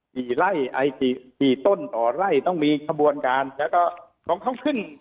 กี่ไร่ไอกี่กี่ต้นต่อไร่ต้องมีขบวนการแล้วก็ของเขาขึ้น